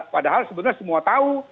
padahal sebenarnya semua tahu